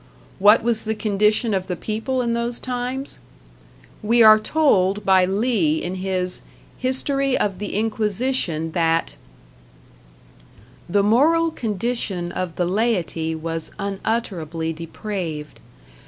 What was the condition of the people in those times? We are told by Lea, in his "History of the Inquisition" that: The moral condition of the laity was unutterably depraved.